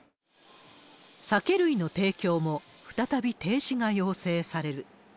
酒類の提供も再び停止が要請される。